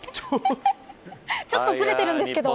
ちょっとずれてるんですけど。